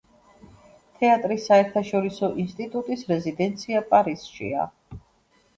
თეატრის საერთაშორისო ინსტიტუტის რეზიდენცია პარიზშია.